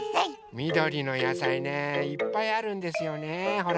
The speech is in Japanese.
みどりのやさいねいっぱいあるんですよねほら！